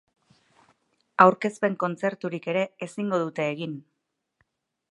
Aurkezpen kontzerturik ere ezingo dute egin.